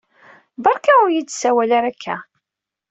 Berka ur yi-d-sawal ara akka.